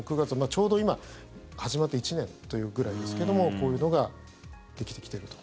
ちょうど今、始まって１年というぐらいですけどもこういうのが出来てきていると。